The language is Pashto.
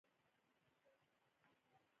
زلزله خبر نه کوي